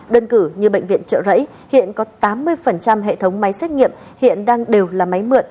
đơn cử như bệnh viện trợ rẫy hiện có tám mươi hệ thống máy xét nghiệm hiện đang đều là máy mượn